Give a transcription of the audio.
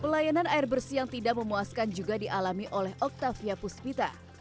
pelayanan air bersih yang tidak memuaskan juga dialami oleh octavia puspita